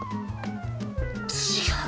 違う！